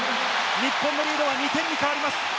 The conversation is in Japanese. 日本のリードは２点に変わります。